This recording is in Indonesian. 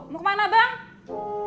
mau kemana bang